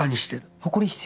誇り必要？